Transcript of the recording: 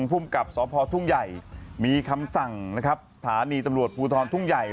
ภูมิกับสพทุ่งใหญ่มีคำสั่งนะครับสถานีตำรวจภูทรทุ่งใหญ่